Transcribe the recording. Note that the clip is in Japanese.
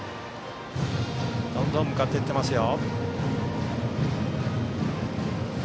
どんどん向かっていってますよ。